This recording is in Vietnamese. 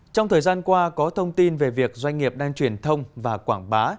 trong thời gian qua có thông tin về việc doanh nghiệp đang truyền thông và quảng bá